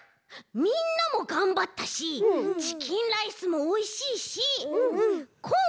みんなもがんばったしチキンライスもおいしいしこん